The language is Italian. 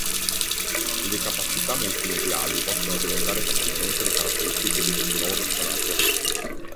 Le capacità multimediali possono diventare facilmente le caratteristiche di questo nuovo personaggio.